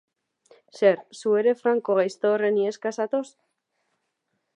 Zer, zu ere Franco gaizto horren iheska zatoz?